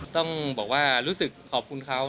ต้องบอกว่ารู้สึกขอบคุณเขา